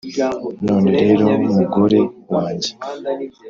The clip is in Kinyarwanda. None rero mugore wanjye